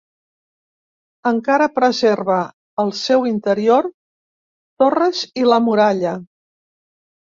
Encara preserva el seu interior, torres i la muralla.